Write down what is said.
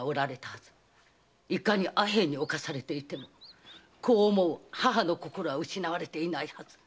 いかに阿片に冒されていても子を思う母の心は失われていないはず。